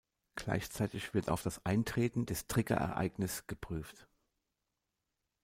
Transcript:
Gleichzeitig wird auf das Eintreten des Trigger-Ereignis geprüft.